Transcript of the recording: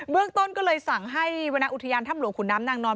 เรื่องต้นก็เลยสั่งให้วรรณอุทยานถ้ำหลวงขุนน้ำนางนอน